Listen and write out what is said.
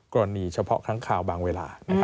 เฉพาะครั้งข่าวบางเวลา